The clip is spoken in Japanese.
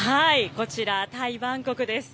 こちら、タイ・バンコクです。